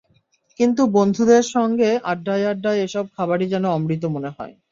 কিন্তু বন্ধুদের সঙ্গে আড্ডায় আড্ডায় এসব খাবারই যেন অমৃত মনে হয়।